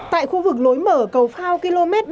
tại khu vực lối mở cầu phao km ba